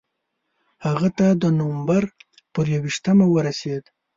هغه ته د نومبر پر یوویشتمه ورسېد.